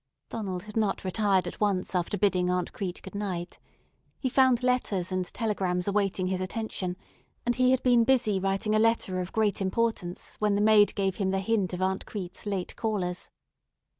Donald had not retired at once after bidding Aunt Crete good night. He found letters and telegrams awaiting his attention, and he had been busy writing a letter of great importance when the maid gave him the hint of Aunt Crete's late callers.